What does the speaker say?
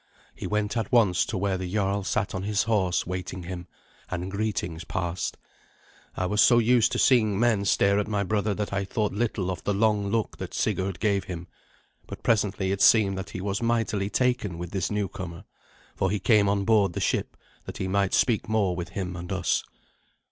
He went at once to where the jarl sat on his horse waiting him, and greetings passed. I was so used to seeing men stare at my brother that I thought little of the long look that Sigurd gave him; but presently it seemed that he was mightily taken with this newcomer, for he came on board the ship, that he might speak more with him and us.